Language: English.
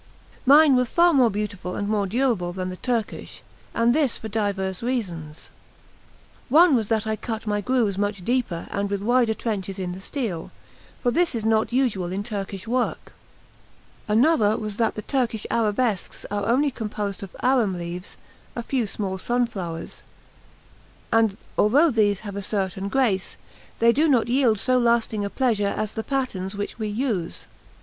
Mine were far more beautiful and more durable than the Turkish, and this for divers reasons. One was that I cut my grooves much deeper and with wider trenches in the steel; for this is not usual in Turkish work. Another was that the Turkish arabesques are only composed of arum leaves a few small sunflowers; and though these have a certain grace, they do not yield so lasting a pleasure as the patterns which we use.